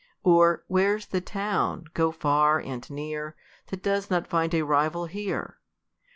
Or, Where's the town, go far and near, That does not iind a rival here